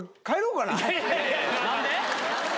何で？